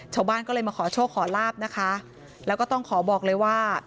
ชาวบ้านก็เลยมาขอโชคขอลาบนะคะแล้วก็ต้องขอบอกเลยว่า